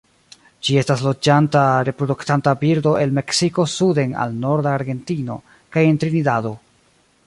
Ĝi estas loĝanta reproduktanta birdo el Meksiko suden al norda Argentino kaj en Trinidado.